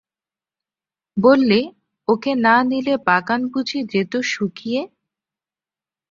বললে, ওঁকে না নিলে বাগান বুঝি যেত শুকিয়ে?